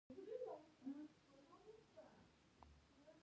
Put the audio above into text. افغانستان تر هغو نه ابادیږي، ترڅو کورنۍ د ماشومانو په روزنه کې برخه وانخلي.